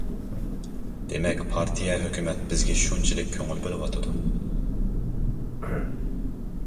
دېمەك، پارتىيە، ھۆكۈمەت بىزگە شۇنچىلىك كۆڭۈل بۆلۈۋاتىدۇ.